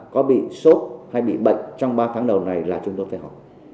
có bị sốt hay bị bệnh trong ba tháng đầu này là chúng tôi phải học